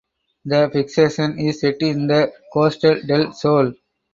The fiction is set in the Costa del Sol.